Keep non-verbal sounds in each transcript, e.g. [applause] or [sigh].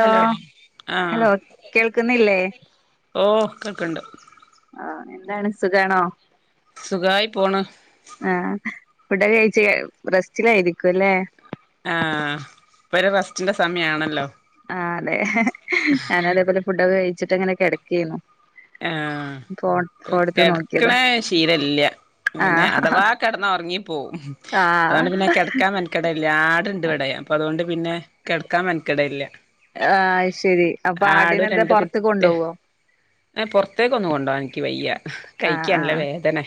Hello ആ hello കേൾക്കുന്നില്ലേ ഓ കേൾക്ക്ണ്ട്. അ എന്താണ് സുഖാണോ? സുഖായി പോണ്. ഫുഡ് ഒക്കെ കഴിച്ച് റെസ്റ്റിലായിരിക്കുല്ലേ? ആ ഇപ്പൊരു റസ്റ്റിന്റെ സമയാണല്ലോ? ആ അതെ ഞാനതേപോലെ ഫുഡൊക്കെ കഴിച്ചിട്ടങ്ങനെ കിടക്കേയിരുന്നു. ആ ഫോണെടുത്ത് കിടക്കണ നോക്കിയതാ ശീലില്ല്യാ. പിന്നെ ആഹ് അഥവാ കെടന്ന ഒറങ്ങി പോവും. ആഹ് അതോണ്ട് പിന്നെ കെടക്കാൻ മെനക്കെടില്ലാ ആടിണ്ടവടെ അപ്പ അതുകൊണ്ട് പിന്നെ കെടക്കാൻ മെനക്കെടെല്ല്യാ ആഹ് അത് ശരി അപ്പൊ ആടിനെന്താ പൊറത്ത്കൊണ്ടോവോ? പൊർത്തേക്ക് ഒന്നും കൊണ്ടോവാൻ എനിക്ക് വയ്യ ആഹ് കൈക്ക് നല്ല ആഹ് വേദന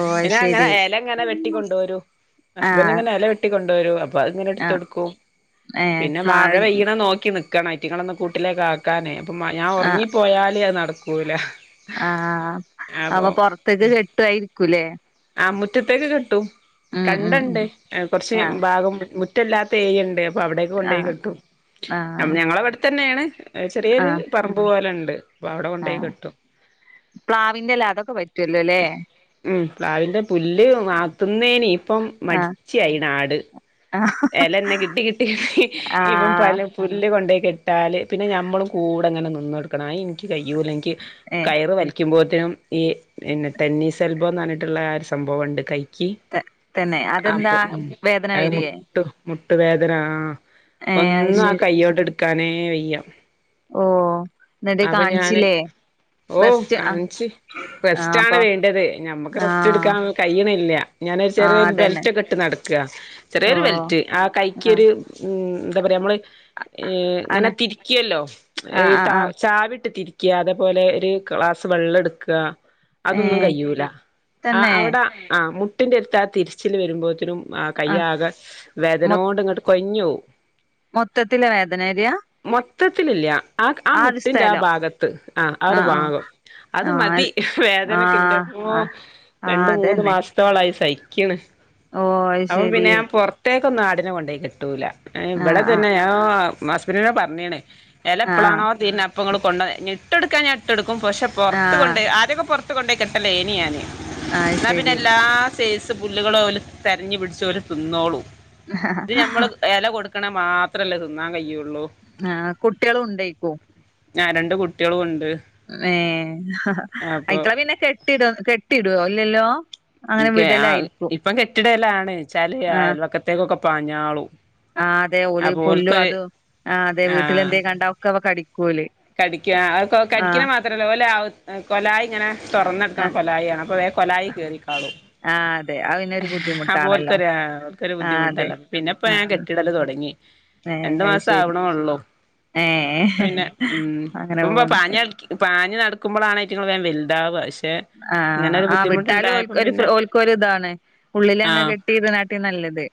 ഓ അത് പിന്ന അങ്ങനെ ശരി എല ഇങ്ങനെ വെട്ടിക്കൊണ്ടോരു ആഹ് ഹസ്ബന്റിങ്ങനെ എല വെട്ടിക്കൊ കൊണ്ടോരും അപ്പൊ അതിങ്ങന ആഹ് എടുത്തുകൊടുക്കും ഏഹ് പിന്നെ മഴ പ്ലാവിൻ പെയ്യണ നോക്കി നി ക്കണം ഐറ്റങ്ങളൊന്ന് കൂട്ടിലേക്കാക്കാനേ അപ്പം മ ഞാൻ ആഹ് ഒറങ്ങിപ്പോയാല് അത് നടക്കൂല്ല. ആഹ് അപ്പ പൊറത്തേക്ക് കെട്ടുവായിരിക്കൂല്ലേ? ആ മുറ്റത്തേക്ക് കെട്ടും. ഉം ഉം ഉം കണ്ടെണ്ട് കൊറച്ച് ആഹ് ഭാഗം മുറ്റമില്ലാത്ത ഏരിയെണ്ട്. അപ്പൊ അവിടേക്ക കൊണ്ടോയി ആഹ് കെട്ടും ആഹ് ഞങ്ങളെവിടെ തന്നെയാണ് ചെറിയൊരു ആഹ് പറമ്പ് പോലെ ആഹ് പ്ലാവിന്റെല്ല അതൊക്കെ പറ്റുവല്ലോ ല്ലേ? അയിന്റെ പുല്ല് മാത്തുന്നേന് ഇപ്പം ആഹ് മടിച്ചിയാനാട്. ആഹ് എലന്നെ കിട്ടി കിട്ടി ഇപ്പം ആഹ് പല പുല്ല് കൊണ്ടെ കെട്ടാല് പിന്നെ ഞമ്മളും കൂടെങ്ങനെ നിന്നൊടുക്കണം അത് ഇനിക്ക് കഴിയൂല ഇനിക്ക് ഏ കയറ് വലിക്കുമ്പോ നും ഈ പിന്നെ ടെന്നീസ് എൽബോ എന്ന് പറഞ്ഞിട്ടുള്ള ആ ഒരു സംഭവെണ്ട് കൈ ക്ക് ത തന്നെ അതെന്താ അപ്പൊ ഉം വേദന അത് വരിയേ മുട്ടുവേദന ആഹ് ഏ അത് ഒന്നു ആ കയ്യോണ്ട് എടുക്കാനേ വയ്യാ. ഓഹ് എന്നട്ട് കാണിച്ചില്ലേ? ഓഹ് റെസ്റ്റ് ആ കാണിച്ച് ആ റെസ്റ്റ് ആണ് അപ്പൊ വേണ്ടത്. ഞമ്മക്ക് റസ്റ്റ് ആഹ് എടുക്കാൻ കഴിയണില്ല ഞാനൊരു ആ ചെറിയൊരു അതന്നെ ബെൽറ്റ് കെട്ടുന്നത് ക്ക ഓ ചെറിയൊരു ബെൽറ്റ് ആ കൈക്കൊര് ഉം എന്താ പറയാ നമ്മള് ഏഹ് ആണ് ഇങ്ങനെ തിരിക്കുവല്ലോ ആ എഹ് ആ താ ആ ചാവിയിട്ട് തിരി ക്യാതെപോലെ ഒരു ക്ലാസ് വെള്ളടുക്കാ ഏ അതൊന്നും കഴിയൂല. ആ തന്നെ അവിട അ മുട്ടിന്റടുത്ത് ആ തിരിച്ചിൽ വരുമ്പോത്തിനും ആഹ് ആ കയ്യാകെ മൊ വേദനോണ്ട് ഇങ്ങട്ട് കൊയ്ഞ്ഞോവും. മൊത്തത്തില് വേദനവരിയ? ത്തത്തിലില്ല്യ ആ ആ മുട്ടിന്റെ ആ ഭാഗത്ത് ആ ആ ഒരു ഭാഗം. അത് ആ മതി ആ വേദനക്കിന്റമ്മോ ആ ആ രണ്ട് മൂന്ന് അതന്നെ മാസത്തോളായി സഹിക്ക ക്കണ് ഓ അത് ശരി. ഇക്കാക്ക ഒന്നും ആടിനെ കൊണ്ടോയി കെട്ടൂല. ഇം ആ ഇവിടെ ആ തന്നെ ആഹ് [unintelligible] ഞാൻ പറഞ്ഞേണ് എല ആ ആ എപ്പളാണോ തീരനെ അപ്പൊങ്ങള് കൊണ്ട ഞിട്ട്കൊടുക്കാൻ ഞാൻ ഞിട്ട്കൊടുക്കും പക്ഷെ ആ പൊറത്ത് കൊണ്ടോയ് ആദ്യോക്കെ പൊറ ത്ത് കൊണ്ടോയി കെട്ടല്ലേനി ഞാന് അത് എന്നാ ശരി പിന്നെല്ലാ സൈസ് പുല്ലുകളോല് തെരഞ്ഞു പിടിച്ച് ഓല് തിന്നോളും. ഇത് ഞമ്മള് എല കൊടു നക്കണേ മാത്രല്ല തിന്നാ കയ്യുള്ളൂ ആഹ കുട്ടികളും ഉണ്ടായിക്കോ ഞാൻ രണ്ട് കുട്ടികളും ഉണ്ട് ഏ അ അപ്പൊ ഐക്കള പിന്നെ കെട്ടിട കെട്ടിടുവോ ഇല്ലല്ലോ അങ്ങനെ എനിക്കെ ആ വിടലായിരിക്കും ഇപ്പം കെട്ടിടല്ലാണ് വച്ചാല് അയൽവക്കത്തേക്കൊക്കെ പാഞ്ഞാളു ആ അതെ ഓലി പുല്ലും അത ആ അതെ വീട്ടിലെന്തേ കണ്ടക്കെ അവ കടി കടിക്കുക കടിക്കണ മാത്രല്ലോ ഒല കൊല ഇങ്ങനെ തുറന്നെടുക്കണ ആഹ് കൊലായി ആണ് അപ്പൊ വേ കൊലായി കയറിക്കാളൂ ആഹ് അതെ അത് പിന്നെ ഒരു ബുദ്ധിമുട്ടാണല്ലോ അപ്പോല്ക്കൊ അവക്കൊരു ആഹ് അതെ ബുദ്ധിമുട്ടല്ല പിന്നെപ്പോ ഞാൻ ആഹ് കെട്ടിടല് തുടങ്ങി. രണ്ടു മാസം ആവണ ഉള്ളോ ആഹ ഉം ഇപ്പ ഇപ പാഞ്ഞ പാഞ്ഞ നടക്കുമ്പോളാണ് റ്റുംങ്ങൾ വേം വലുതാവശ്യം ആഹ ആ വിട്ടാലും പിന്നെ ഓൽക്കോ ഒരു ഇതാണ് ഉള്ളില അങ്ങ ആഹ് കെട്ടിത് നാട്ടി നല്ലത്.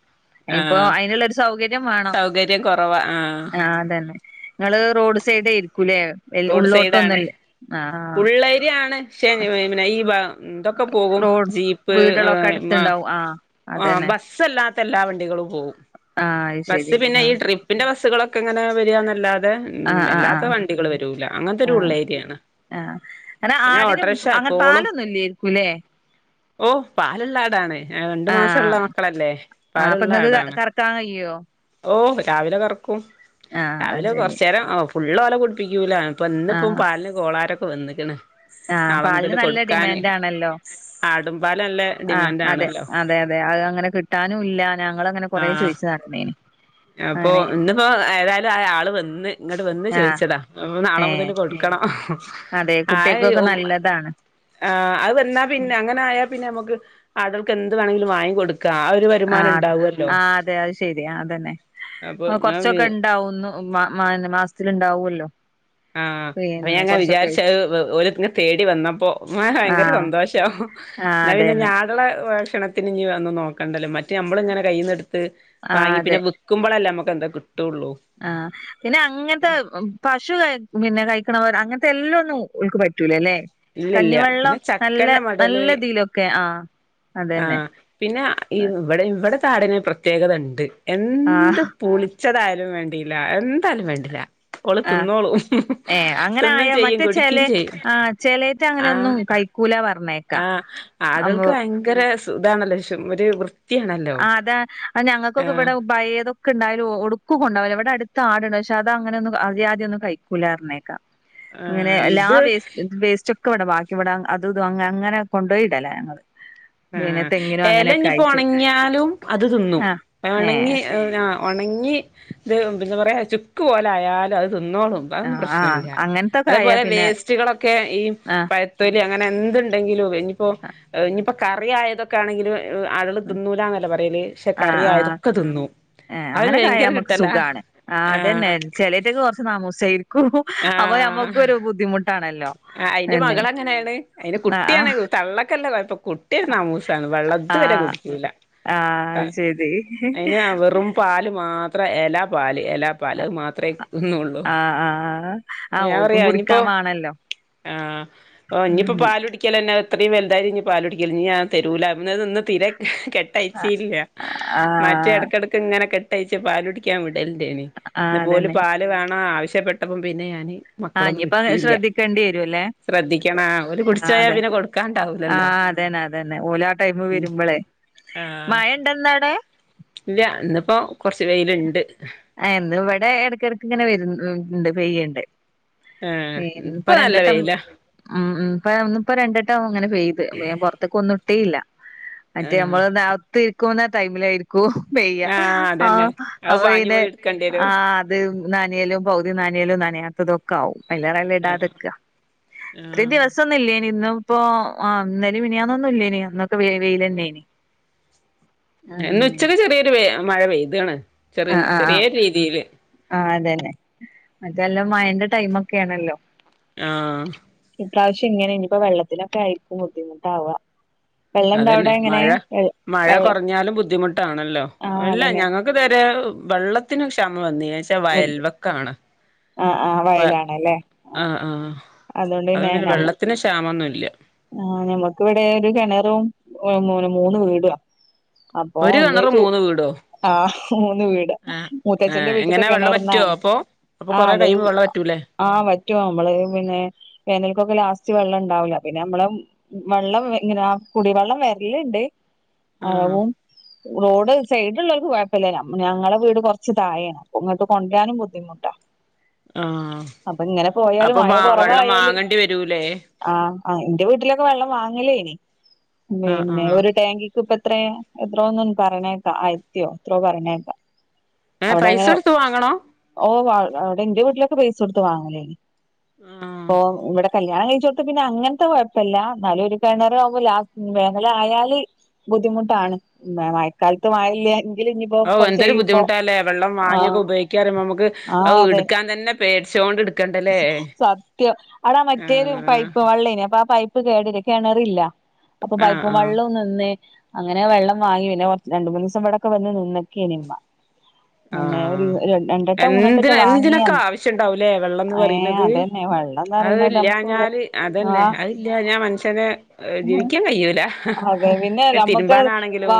ഇപ്പോ ആഹ് അതിനുള്ളൊരു സൗകര്യം വേണോ സൗകര്യം കൊറവാ ആഹ് ആ അതന്നെ ങ്ങള് റോഡ് സൈഡ ആയിരി ല റോഡ് സൈഡാണ് ഉള്ളോട്ടൊന്നല്ലേ ആ ഉള്ളേരിയാണ് [unintelligible] ഈ ബ എന്തൊക്കെ പോകും റോഡ് ജീപ്പ് വീടുകളൊക്കെ അടുത്തുണ്ടാവും ആഹ് [unintelligible] അതന്നെ ബസ്സല്ലാ എല്ലാ വണ്ടികളും പോകും ആഹ് അത് ബസ് ശരി പിന്നെ ഈ ആഹ് ട്രിപ്പിന്റെ ബസുകളൊക്കെ എങ്ങനെ വരികന്നല്ലാ ആഹ് ആഹ് വല്ലാത്ത ആഹ് വണ്ടികൾ വരൂല അങ്ങനത്തെരു ആഹ് ഉള്ളേരിയാണ് ആഹ് അനെ പിന്നെ ആടിന ഓട്ടോറിക്ഷ അങ്ങനെ പാലൊന്നുംല്ലായിരിക്കൂല്ലേ ഓ പാലുള്ള ആടാണ് രണ്ടു മാസമുള്ള ആഹ് മക്കളല്ലേ ആഹ് അപ്പൊ പാലുള്ള നിങ്ങക്ക് ആടാണ് കറക്കാൻ കഴിയോ ഓ രാവിലെ കറക്കും ആഹ് അത് രാവിലെ ശരി കുറച്ചു നേേരം ഫുള്ള് ഒല കുടിപ്പിക്കൂല അപ്പൾ ഇന്നിപ്പം പാലിന് കോളാരൊക്കെ വന്നിക്കണ് ആഹ പാലിന് നല്ല ഡിമാൻഡ് ആണല്ലോ ആടുംപാല് നല്ല ആ അതെ ഡിമാൻഡാണല്ലോ അതെ അതെ അത് അങ്ങനെ കിട്ടാനും ഇല്ലാന നിങ്ങള അങ്ങനെ കുറേ ചോദിച്ചു നടന്നേന് അപ്പ അങ്ങനെ ഇന്നിപ്പോ ഏതായാലും ആ ആള് വന്ന് ഇങ്ങോട്ട് വന്ന് ആഹ് ചോയിച്ചതാ അപ്പൊ നാളെ മുതൽ ഏഹ് കൊടുക്ക അതെ അയ്‌ കുട്ടികൾക്കൊക്കെ നല്ലതാണ് എന്നാ പിന്നെ അങ്ങനാ പിന്നെ നമുക്ക് അടൾക്ക് എന്ത് വേണമെങ്കിലും വാങ്ങി കൊടുക്കാം ആ ഒരു വരുമാനം ഉണ്ടാവല്ലോ ന്നെ കൊറച്ചൊക്കെ ഉണ്ടാവുന്നു മ മാസത്തിലുണ്ടാവല്ലോ ആഹ അപ്പൊ ഞാൻങ്ങ വിചാരിച്ചഓ തേടി വന്നപ്പോ ആ ഭയങ്കര സന്തോഷവും ആ എന്നാ പിന്നെ അതന്നെ ഞാടള്ള ഭക്ഷണത്തിന് വന്നന്ന് നോക്കണ്ടല്ല മറ്റ് നമ്മള ഇങ്ങനെ കയ്യിന്നടുത്ത് ആ പിന്നെ അതെ വിൽക്കുമ്പോഴല്ല ആ പിന്നെ അങ്ങനത്തെ പശു പിന്നെ കഴിക്കണവർ അങ്ങനത്തെ എല്ലാം ഒന്നും ഉക്ക് പറ്റൂലേ അല്ലെ ഇല്ലില്ല കഞ്ഞിവെള്ളം പിന്നെ നല്ല നല്ല രതിലൊക്കെ ആ അതന്നെ ആഹ പിന്നെ ഈ ഇവിടെ ഇവിടെ ചാടന് പ്രത്യേകത ഉണ്ട് ആ എന്ത് പൂളി ച്ചതായാലും വേണ്ടല്ല എന്തായാലും വേണ്ടല്ല ഓള ആ തിന്നോളൂ ഏ അങ്ങനെ തിന്നും ചെയ്യും കുടിക്കയും ചെയ്യും മ അനൊന്നും കൈക്കൂല ആഹ ആകൾക്ക് ഭയങ്കര സുഖാണല്ലോ ഒരു വൃ ആ് അതാ അത് ഞങ്ങൾക്കൊക്കെ ഇവിടെ ഭയതൊക്കെ ഉണ്ടായാലും ഒടുക്കും കൊണ്ടാവലോ ഇവിടെ അടു അത്ത ആടണ്ട് പക്ഷെ അത അങ്ങനെ ഒന്നും അതി ആദ്യം ഒന്ന കിക്കൂലരുന്നേക്കാ അങ്ങനെ ആഹ് എല്ല ആ ഇത് വേസ് വേസ്റ്റ് ഒക്ക ഇവിടെ ബാക്കി ഇവിടെ അത് ഇത അ അങ്ങനെ കൊണ്ടപോയിട്ടല്ല ഞങ്ങള് ആ പിന്നെ തെങ്ങിനും അങ്ങനെയൊക്കെ ഏലഞ്ഞിപ്പോ ആയിട്ട് ഉണങ്ങിയാലും അത് തിന്നും ആ ഏ ഉണങ്ങി ഉണങ്ങി ഇത് എന്താ പറയാ ചുക്ക് പോലൊയാലും അത് ' തിന്നോളും ആ അതൊന്നും ആ പ്രശ്നല്ല അങ്ങനത്തൊക്കെ ആയാ അതേപോലെ പിന്നെ വേസ്റ്റുകളൊക്കെ ഈ ആ പഴത്തൊലി അങ്ങനെ എൻ ന്ത്ഇണ്ടെങ്കിലും എഞിപ്പോ ഇനിയിപ്പോ കറി ആയതൊക്കെ ആണെങ്കിലും ആളകള് തിന്നൂല ന്ന്പറയല് പക്ഷെ കറി ആയതൊക്കെ തിന്നു അങ്ങനെക്കെക്കായമക്ക് സുഖമാണ് അതന്നെ ആഹ് ചെലറ്റക്കെ കുറച്ച് നാമൂസായിരിക്കും അപ്പൊ ആഹ് ഞമ്മുക്കൊരു ബുദ്ധിമുട്ടാണല്ലോ ആ അയിന്റെ പിന്നെ മകൾ അങ്ങനെയാണ് ആ ആ കുട്ടിയന്നാമൂസാണ് വെള്ളതു ആ വരെ കുടിക്കൂല ആ അത് ശരി അയിന വെറും പാ ല് മാത്ര എലാ പാല് എലാ പാല് അത് മാത്ര തിന്നുള്ളു ആഹ് ആഹ് ആഹ് ഞാൻ ഓൽക്കും പറിയ ഇനിപ്പോ കുടിക്കാൻ വാണല്ലോ ആഹ് ഇനിപ്പോ ആണ് പാല് കുടിക്കലന്നെ അത്രയും വലുതായിട്ട് ഇനി പാലുടിക്കല്ലേ ഞി ഞാൻ തരൂലാ വുന്നത് ഇന്ന് തീരെ കെട്ടയിച്ചേ ഇല്ല മറ്റേ ആഹ് എടക്കെടക്ക് ഇങ്ങനെ കെട്ടയിച്ച് പാല് കുടിക്കാൻ വി ടലിൻ്റെനിം ആഹ് എന്ന ഓല് അതന്നെ പാലു വേണം ആവശ്യപ്പെട്ടപ്പോം പിന്നെ ഞാന് ആഹ് മക്കളൊന്നും ഞിപ്പ വിട്ടീല്ല ശ്രദ്ധിക്കേണ്ടി വരും ല്ലേ ശ്രദ്ധിക്കണം ആ ഓല് ആ കുടിച്ചോയാ അതെ പിന്നെ കൊടുക്കാണ്ടാവൂലല്ലോ ആഹ് അതന്നെ അതന്നെ ഓല് ടൈമ് വരുമ്പോളെ ആഹ് മഴ ഇണ്ടന്നവടെ ഇല്ല ഇന്നിപ്പോ കൊറച്ച് വെയില്ണ്ട് ആ ഇന്ന് ഇവിടെ എടക്കിടക്ക് ഇങ്ങനെ വരണ്ട് പെയ്യണ്ട് എ് ഇപ്പൊ ന്നിപ്പൊ നല്ല രണ്ടട്ടം വെയിലാ ഉം ഉം ഇപ്പൊ ഇന്നിപ്പോ രണ്ടട്ടം ഇങ്ങനെ പെയ്ത് അപ്പോ ഞാൻ പൊറത്തേക്കൊന്നും ഇട്ടേയില്ല മറ്റേ ആഹ് മ്മള് അകത്ത് ഇരിക്കുന്ന ടൈമിലായിരി ക്കും പെയ്യ ആഹ് ആ അതന്നെ അത് അപ്പൊ ഇ പാഞ്ഞു ടെ പോയി ആ ഇട്ക്കണ്ട്യരും അത് നനയലും പൗതി നനയലും നനയാ ത്തതൊക്കെ ആവും അയിലേറെ ല്ല് ആഹ് ഇടാതെക്ക ഇത്രേം ആഹ് ദിവസന്നുല്ലേ നിം ഇന്നും ഇപ്പൊ ആ ഇന്നലേം മിനിഞ്ഞാന്നൊന്നും ഇല്ലേനിം അന്നൊക്കെ വ വെയിലന്നെന് ന്ന് ഇന്ന് ഉച്ചക്ക് ചെറിയൊരു വെ മഴ പെയ്താണ് ചെറിയ ചെറിയരു രീതിയില് ആ അതന്നെ മറ്റല്ലാം മയന്റെ ടൈമ് ഒക്കെയാണല്ലോ ആഹ് ഇപ്രാവശ്യം ഇങ്ങനെ ഇനിയിപ്പോ വെള്ളത്തിലൊക്കെ ആയിരിക്കും ബുദ്ധിമുട്ടാവ വെള്ളം ഇണ്ടോ അവിടെ അതന്നെ എങ്ങനെ മഴ വെ മഴ വെള്ളം കൊറഞ്ഞാലും ബുദ്ധിമുട്ടാണല്ലോ ആഹ് അല്ല അതന്നെ ഞങ്ങക്ക് തരെ വെള്ളത്തിന് ക്ഷ മംവന്നില്ലാച്ചാ വയൽവക്കാണ് ആഹ് ആഹ് അപ്പ വയലാണല്ലേ ആഹ് ആഹ് അതുകൊണ്ട് വെള്ളത്തിന് ക്ഷാമമൊന്നുല്ല ആഹ് ഞമ്മക്ക് ഇവിടെ ഒരു കിണറും എ് മൂ മൂന്ന് വീടുവാ അപ്പൊ ഒരു കിണറ് ഒന്ന്ച്ചു മൂന്ന് വീടോ ആഹ് മൂന്ന് വീട് ആഹ് മൂത്തച്ഛന്റെ ആഹ് വീട്ടത്തെ എങ്ങനെ വെള്ളം വറ്റോ കെണറന്നാണ് അപ്പൊ അപ്പൊ ആഹ് കൊറെ അത് കഴിയുമ്പോ വെള്ളം വറ്റൂലേ ആഹ് വറ്റുവ മ്മള് പിന്നെ വേനൽക്കൊക്കെ ലാസ്റ്റ് വെള്ളം ഇണ്ട് ണ്ടാവുല്ല പിന്നെ മ്മള് വെള്ളം ഇങ്ങനെ കുടിവെള്ളം വരലണ്ട് ആഹ് ആവും റോഡ് സൈഡ്ള്ളവർക്ക് കൊഴപ്പല്ല ഞമ്മ ഞങ്ങടെ വീട് കൊറച്ച് തായാണ് അപ്പ ഇങ്ങട്ട് കൊണ്ട രാനും ബുദ്ധിമുട്ടാ ആഹ് അപ്പൊ ഇങ്ങനെ പോയാല് അപ്പൊ മഴ വാ വെള്ളം കൊറവായാല് വാങ്ങണ്ടി വരൂലേ ആഹ് എന്റെ വീട്ടിലൊക്കെ വെള്ളം വാങ്ങലേനി ആഹ് പിന്നെ ആഹ് ഒരു ടാങ്കി ക്ക്ഇപ്പ എത്ര എത്രോ ഒന്ന് പറയണേക്കാ ആയത്തിയോ എത്രോ പറയണേക്കാ ഏഹ് അവിടെ പൈസ അങ്ങനെ കൊടുത്ത് വാങ്ങണോ ഓ വാ അവിടെ എന്റെ വീട്ടിലൊക്കെ പൈസ കൊടുത്ത് വാങ്ങലേനൊ ആഹ് ഇപ്പൊ ഇവിടെ കല്യാണം കഴിച്ചോടത്ത് പിന്നെ അങ്ങനെ. ത്തെ കൊഴപ്പല്ല ന്നാലൊരു കെണറാവുലോള് ലാസ്റ്റ് വേനല് ആയാല്. ബുദ്ധിമുട്ടാണ് ന്താ മഴക്കാലത്ത് മയ ഇല്ലാ ഔ എന്തൊരു ബുദ്ധിമുട്ടാല്ലേ വെള്ളം വാങ്ങിയൊക്കെ ആഹ് ഉപയോഗിക്കാറയുമ്പോ മ്മക്ക് അത് ആഹ് അതെ ഇടുക്കാൻ തന്നെ പേടിച്ചോണ്ട് ഇട് സത്യം അടാ മറ്റേരു ആഹ് പൈപ്പ് വെള്ളേ നി അപ്പൊ ആ പൈ പ്പ് കേടനി കെണറില്ല അപ്പൊ ആഹ് പൈപ്പും ആഹ് വെള്ളവും നിന്ന് അങ്ങനെ വെള്ളം വാങ്ങി പിന്നെ കൊറ രണ്ടുമൂന്നുസം ഇവിടൊക്കെ വന്ന് നിന്നക്കേനിമ്മ പിന്നെ ഒരു ആഹ് രണ്ടെട്ടോ മൂന്നെട്ട എന്തിന് ക്ക എന്തിനൊക്കെ വാങ്ങിയന്നെ ആവശ്യണ്ടാവൂലേ വെള്ളംന്ന് ഏ പറീണത് അതന്നെ അത് വെള്ളംന്നിറയുന്നത്. അപ്പോ ഇല്ലാഞ്ഞാല് ആ അതന്നെ അത് ഇല്ലാഞ്ഞാ മനുഷ്യന് ജീവിക്കാൻ കഴിയൂല അതെ പിന്നെ നമ്മക്ക് വ തിരുമ്പാനാണെങ്കിലും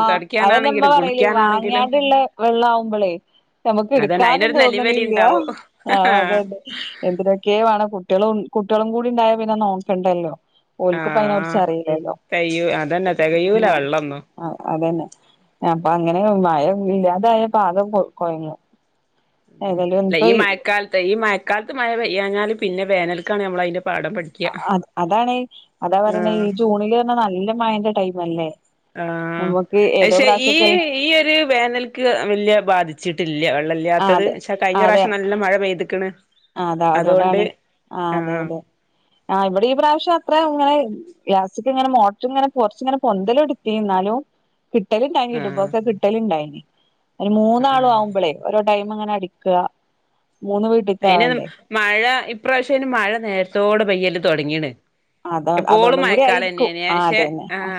അതന്നെമ്മ തൊടയ്ക്കാനാണെങ്കിലും പറയല്. വാങ്ങ ക കുളിക്കാനാണെങ്കിലും ട്ടുള്ള വെള്ള ആകുമ്പോളേ നമക്ക് അതന്നെ എടുക്കാനും അയിനൊരു നെലിവലി തോന്ന്ണ്ല്ല ണ്ടാവും ആ അത്തെ അതെ എന്തിനൊക്കെ വേണം. കുട്ടികൾ ഉം കുട്ടികളും കൂടി ഉണ്ടായ പിന്നെ നോക്കണ്ടല്ലോ. ഓലക്ക്പ്പ ആഹ് ചറില്ലല്ലോ തെയ്യൂ അതന്നെ തെകയൂല വെള്ളൊന്നും ആ അതന്നെ. അപ്പൊ അങ്ങനെ മഴ ഇല്ലാതായപം ആകൊ കുയഞു. ഉ ഈ മഴക്കാലത്ത് ഈ മഴക്കാലത്ത് മഴ പെയ്യഞ്ഞാല്. പിന്നെ വേനൽക്കാണ് നമ്മൾ അതിന്റെ അ അതാണ് അതാ പറയണ്. ആഹ് ഈ ജൂണില് പറഞ്ഞാ നല്ല മഴന്റെ ടൈംല്ലേ? ആഹ പക്ഷെ ഈ ഈ ഒരു വേനൽക്ക് വല്യ ബാധിച്ചിട്ട്. ഇല്ല വെള്ള ആ ഇല്ലാത്തത്. പക്ഷേ കഴിഞ്ഞ പ്രാവശ്യം നല്ല മഴ പെയ്തിക്കണ്. ആ അതാ അതോടാണ്. ആ അതെ ആഹ് അതെ ആ ഇവിടെ ഈ പ്രാവശ്യം അത്ര ഇങ്ങനെ ഗാസിക്ക് ഇങ്ങനെ മോളചു ഇങ്ങനെ കൊറച്ച് ഇങ്ങനെ പൊന്തലും തോടുത്തി. എന്നാലും കിട്ടലുണ്ടായിനല ആഹ് ഇടുബോക്കെ കിട്ടലുണ്ടായിന്. ഒരു ആഹ് മൂന്നാള് ആഹ് ആവുമ്പോളേ ഓരോ ടൈം അങ്ങനെ അടിക്ക. മൂന്ന് വീട്ടിൽ അയി മഴ ഇപ്രാവശ്യംന് മഴ നേരത്തോടെ പെയ്യല്ലല് തുടങ്ങിണ്. അത എപ്പോളും അതോണ്ടും കൂടി ആയിരിക്കും മയക്കാലന്നെയന ആ പക്ഷെ അതന്നെ ആഹ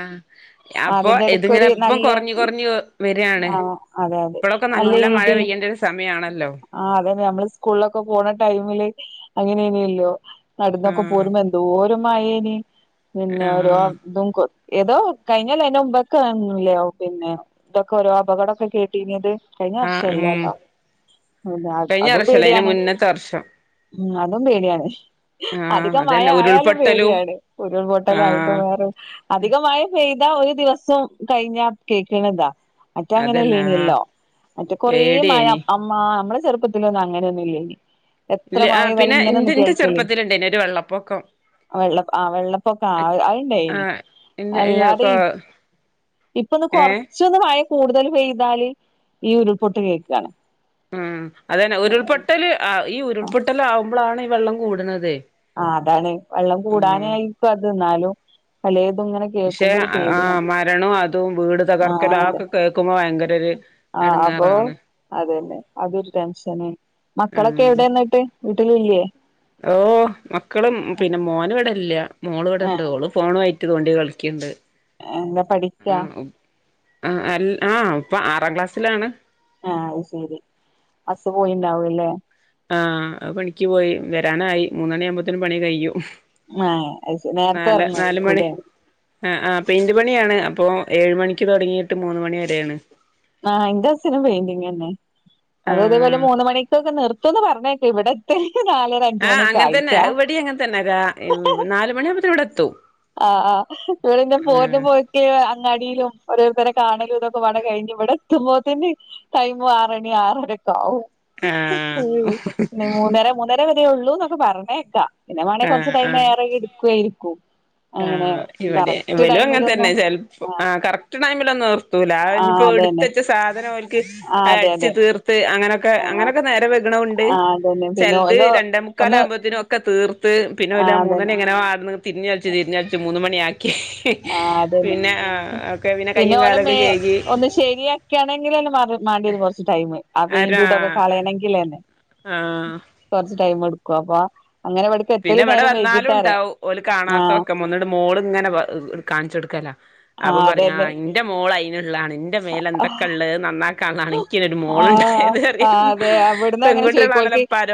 അപ്പൊ അതിന്റെ ഇടക്കൊരു ഇതിങ്ങനെപ്പ [unintelligible] നല്ല കുറഞ്ഞു കുറഞു വരയാണ്. ആ അതെ അതെ ഇപ്പഴൊക്കെ നല്ല മഴ പെയ്യേണ്ട ഒരു സമയമാണല്ലോ? ആ അതെേ നമ്മള് സ്കൂളില സ്കൂൾക്ക് പോകുന്ന ടൈമില് അങ്ങനോയ്നല്ലോ. നടൊക്കെ ആഹ് പോരുപം. ന്തോ എന്തു മഴ ഇന്ന് ആഹ് [unintelligible] ഏതോ കഴിഞ്ഞാലല അതിന്റെ മുമ്പൊക്കെല്ലോ പിന്നെ ഇതൊക്കെ ഓരോ അപകടമൊക്കെ കേട്ടിഞ്ഞത്. കഴിഞ്ഞ ആഹ് ഉം വർഷല്ലല്ലോ കഴിഞ്ഞ അതും വർഷല്ല അയിന്റെ പേടിയാണ്. മുന്നത്തെ വർഷം ഉ അതും പേടിയാണ് ആഹ് അധികം മഴ അതന്നെ ആയാലും. ഉരുൾപൊട്ടലും പടിയാണ് ഉരുൾപൊട്ടലായിട്ടും. ആഹ് വേറൊ അതിക [unintelligible] ചെയ്താ ഒരു ദിവസം കഴിഞ്ഞ കേൾക്കണതാ. മറ്റേ അതന്നെ ആഹ് അങ്ങനെല്ലേനല്ലോ മറ്റേ കൊറ മഴ പേടിയേനി അ് നമ്മള്. ചെറുപ്പത്തില് ഒന്നും അങ്ങനൊന്നും. ഇല്ല ഇനി ഇല്ല ആ പിന്നെ എ എന്റെ ചെറുപ്പത്തിൽഉണ്ടന്ന്. ഒരു വെള്ളപ്പൊക്കം. വെള്ള ആ വെള്ളപ്പൊക്കെ ആ അത്ണ്ടായിനി. ആഹ് ഇന്റെ അല്ലാതെ ഇനിയൊക്കെ ഇപ്പൊ ഒന്ന് ഏഹ് കൊറച്ചൊന്ന് മഴ കൂടുതൽ പെയ്താല് ഈ ഉരുൾപൊട്ട് കേൾക്കക. ഉം അതന്നെ ഉരുൾപൊട്ടൽ ഈ ഉരുൾപൊട്ടൽ ആകുമ്പോളാണ്. ഈ വെള്ളം കൂടുന്നത്. ആ അതാണ് വെള്ളം കൂടാനായിരിക്കും. അത് എന്നാലും പല പക്ഷെ ആ മരണവും അതും വീട് തകർക്കല്ല്. ആ ഒക്കെ കേക്കുമ്പോ ഭയങ്കര ഒരു എടുങ്ങാറാണ്. അതെയല്ലെ അതൊരു ടെൻഷന. മക്കളൊക്കെ എവിടെന്നിട്ട് വീട്ടില് ഇല്ലേ? ഓ മക്കളും പിന്നെ മോന് ഇവിട ഇല്ല മോള് ഇവിടെ ആ ഇണ്ട്. ഒളു ഫോണയി തോണ്ടി കളിക്കുണ്ട്. എന്താ പഠിക്കാ ആ അ ആഹ് ഇപ്പൊ ആറാം ക്ലാസ്സിലാണ്. ആഹ അത് ശെരി അസ് പോയിണ്ടാവൂല്ലേ? ആഹ് പണിക്ക് പോയി വരാനായി മൂന്നണി ആവുമ്പോത്തേന് പണി കഴിയും. ആ നേരത്തെ നാല് നാല് മണി ഇറങ്ങുഅയികുലോ ആ ആ് പ ഇന് പണിയാണ്. അപ്പോ ഏഴ് മണിക്ക് തുടങ്ങിയിട്ട് മൂന്ന് മണി വരെയാണ്. ആഹ എന്റെ അസിന് പെയിന്റിങ് തന്നെ. ആ അതതേപോലെ മൂന്ന് മണിക്കൊക്കെ. നിർത്ത നിർത്തുന്ന പറഞ്ഞോട്ട് ഇവിടെത്തെൽ ആഹ് അങ്ങനെ തന്നെ വടി അങ്ങനെ തന്നെ ഇവടിം അങ്ങനെ തന്നെ നാല് മണിയാവകുമ്പോത്തേ ഇവിടെ എത്തും ആ ആ [unintelligible] ങ്ങാടിയിലും ഓരോരുത്തരെ കാണലും ഇതൊക്കെ പാടെ കഴിഞ് ഇവിടെ എത്ത്മ്പോത്തിന് ടൈം ആറണി ആറര ആ [unintelligible] മൂന്നെര മൂന്നര വരെ ഒള്ളൂന്നൊക്കെ പറഞ്ഞേക്കാ പിന്നെ ആ വേണെങ്കി ആ കൊറച്ച് ടൈം ഏറെം എടുക്കയിരിക്കും. ആ ഇവിടെ ഇവലും അങ്ങനെ തന്നെ ചെൽപ്പം ആഹ് ആ കറക്റ്റ് ടൈമിലൊന്ന് ത്തൂല ആഹ് അതന്നെ അഞ്ഞിപ്പൊട്ത്തെച്ച സാധനം ഓൽക്ക് ആഹ് അത് അതെ അടിച് അതെ തീർത്ത് അങ്ങനൊക്കെ ആഹ് അങ്ങനൊക്കെ നേരം ആഹ് അതന്നെ പിന്നെ ചെൽത് ഓല് രണ്ടേ ഒന്ന് മുക്കാലൊക്കെ ആമ്പോത്തിന് ഒക്കെ തീർത്ത് ത്ത് പിന്നെ ഓല ആഹ് മൂന്നണി അതന്നെ എങ്ങനോ ആട്ന്ന് തിരിഞ്ഞളിച് തിരിഞ്ഞ് കളിച് മൂന്നുമണിയക്കീട്ട് ആ അതന്നെ ഒക്കെ പിന്നെ കയ്യും ഓലെ മേ കാലൊക്കെ കഴുകി ഒന്ന് ശരിയാക്കിയണെങ്കിലും [unintelligible] കൊറച്ച് ടൈമ് ആ ആരാ പെയിന്റും ഇതൊക്കെ കളയണമെങ്കിലന്നെ ആഹ് ടൈം എടുക്കും അപ്പോ പിന്നെ ഇവടെ വന്നാലും ഉണ്ടാവും ഓല് കാണാത്ത ആഹ് ഒക്കെ ന്നട്ട് മോളിങ്ങനെ കാണിച്ചു കൊടുക്കല. അപ്പം ആഹ് പറയ് ആ അതന്നെ ഇന്റെ മോളായി [unintelligible] ഇന്റെ ആഹ് മേലന്തൊക്കെ ഉള്ളന്ന്‌ [unintelligible] ഇൻക്കൊരു ആഹ് മോള്ണ്ടായത് അതെ അവിടുന്ന് അങ്ങനെ ചോയിക്കോൽക്ക് റയും [unintelligible]